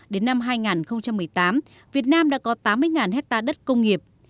đến năm hai nghìn một mươi tám việt nam đã có tám mươi hectare đất công nghiệp